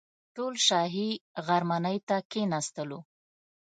ټول شاهي غرمنۍ ته کښېنستلو.